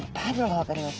分かります。